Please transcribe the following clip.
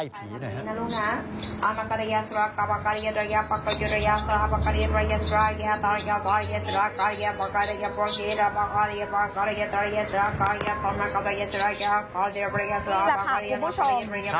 นี่แหละค่ะคุณผู้ชม